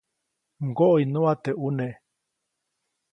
ʼMgoʼiʼnuʼa teʼ ʼuneʼ.